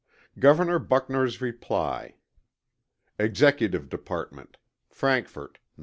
Governor Buckner's Reply. EXECUTIVE DEPARTMENT. Frankfort, Nov.